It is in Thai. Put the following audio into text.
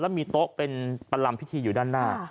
มีโต๊ะเป็นประลำพิธีอยู่ด้านหน้า